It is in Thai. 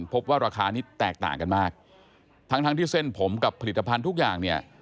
พบว่าราคานี้แตกต่างกันมากทั้งทั้งที่เส้นผมกับผลิตภัณฑ์ทุกอย่างเนี่ย